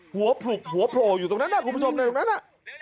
หัวผลุบหัวโผล่อยู่ตรงนั้นคุณผู้ชมในตรงนั้นน่ะ